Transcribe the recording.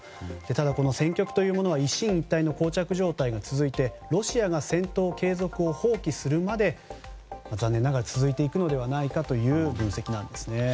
ただ戦局は一進一退の膠着状態が続いてロシアが戦闘継続を放棄するまで残念ながら続いていくのではないかという分析なんですね。